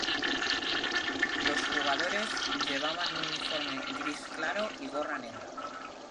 Los jugadores llevaban un uniforme gris claro y gorra negra.